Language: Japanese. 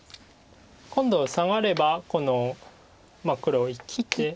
今度はサガればこの黒生きて。